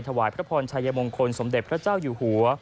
ถวายพระพรชัยมงคลสมเด็จพระเจ้าอยู่หัว